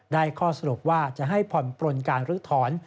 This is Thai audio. ข้อสรุปว่าจะให้ผ่อนปลนการลื้อถอน